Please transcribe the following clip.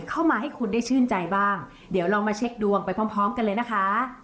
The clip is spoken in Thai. เข้ามาให้คุณได้ชื่นใจบ้างเดี๋ยวเรามาเช็คดวงไปพร้อมพร้อมกันเลยนะคะ